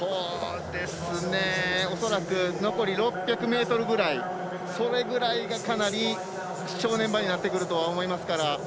恐らく残り６００ｍぐらいそれぐらいがかなり正念場になってくると思いますから。